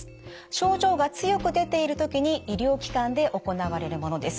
症状が強く出ている時に医療機関で行われるものです。